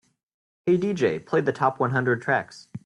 "Hey DJ, play the top one hundred tracks"